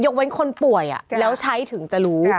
เว้นคนป่วยแล้วใช้ถึงจะรู้